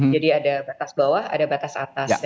jadi ada batas bawah ada batas atas